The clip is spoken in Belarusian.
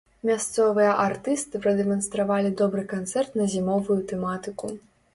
Мясцовыя артысты прадэманстравалі добры канцэрт на зімовую тэматыку.